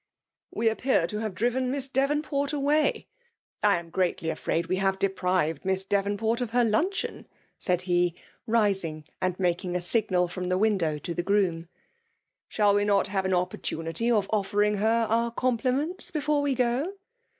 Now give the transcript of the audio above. '' Wc appear to have driven Miss Devonport away, — I am greatly afraid we have deprived Miss Devonport of her luncheon? said he, rising and making a signal fix>m the window to the groom. *' Shall we not have an oppor* tunity of offering her our compliments before we go?"